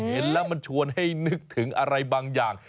เห็นแล้วมันชวนให้นึกถึงอะไรบางอย่าง